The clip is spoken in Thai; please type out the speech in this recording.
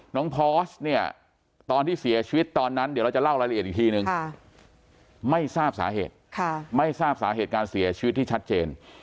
พอร์สเนี่ยตอนที่เสียชีวิตตอนนั้นเดี๋ยวเราจะเล่ารายละเอียดอีกทีนึงไม่ทราบสาเหตุไม่ทราบสาเหตุการเสียชีวิตที่ชัดเจน